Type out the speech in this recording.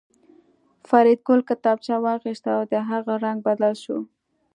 فریدګل کتابچه واخیسته او د هغه رنګ بدل شو